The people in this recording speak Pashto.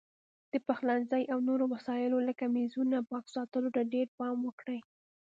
د پخلنځي او نورو وسایلو لکه میزونو پاک ساتلو ته ډېر پام وکړئ.